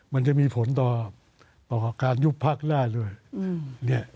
มันจะมีผลต่อต่อการยุบพักได้ด้วยอืมเนี้ย